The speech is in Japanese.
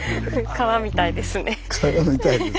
川みたいです。